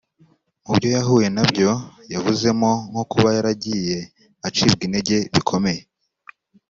Mu byo yahuye nabyo yavuzemo nko kuba yaragiye acibwa intege bikomeye